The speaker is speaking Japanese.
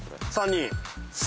３人？